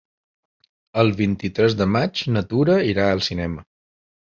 El vint-i-tres de maig na Tura irà al cinema.